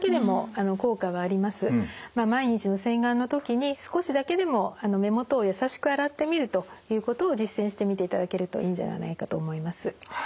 毎日の洗顔の時に少しだけでも目元を優しく洗ってみるということを実践してみていただけるといいんじゃないかと思います。